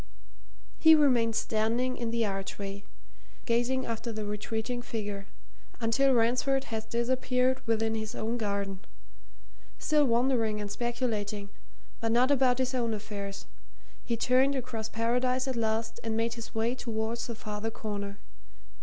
He remained standing in the archway, gazing after the retreating figure, until Ransford had disappeared within his own garden; still wondering and speculating, but not about his own affairs, he turned across Paradise at last and made his way towards the farther corner.